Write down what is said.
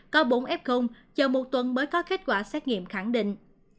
có bốn f chờ một tuần mới có kết quả xét nghiệm khẳng định